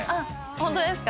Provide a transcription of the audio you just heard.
ホントですか？